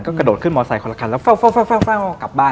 ก็กระโดดขึ้นมอเซอร์คอละครั้งแล้วเฝ้ากลับบ้าน